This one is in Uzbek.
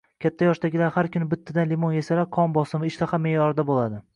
Katta yoshdagilar har kuni bittadan limon yesalar, qon bosimi, ishtaha me’yorida bo‘ladi.